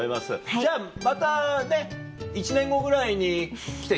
じゃあまたね１年後ぐらいに来てくれる？